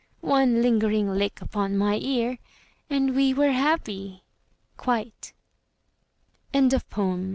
One lingering lick upon my ear And we were happy quite. ANONYMOUS.